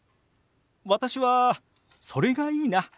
私はそれがいいな。